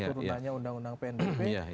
turut tanya undang undang pnbp